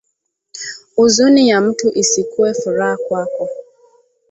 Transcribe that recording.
Uzuni ya mutu isikuwe furaha kwako